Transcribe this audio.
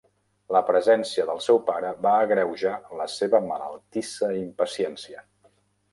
La presència del seu pare va agreujar la seva malaltissa impaciència.